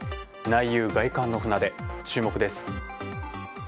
内憂外患の船出、注目です。